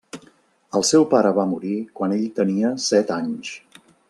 El seu pare va morir quan ell tenia set anys.